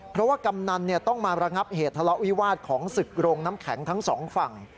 เพราะว่ากำนันต้องมาระงับเหตุทะเลาะวิวาสของศึกโรงน้ำแข็งทั้งสองฝั่ง